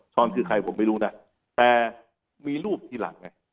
คือใครผมไม่รู้นะแต่มีรูปทีหลังไง